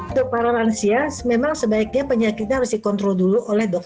untuk para lansia memang sebaiknya penyakitnya harus dikontrol dulu